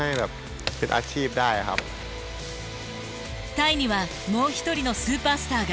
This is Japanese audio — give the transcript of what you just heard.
タイにはもう一人のスーパースターが。